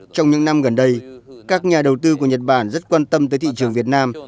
trong những năm gần đây các nhà đầu tư của nhật bản rất quan tâm tới thị trường việt nam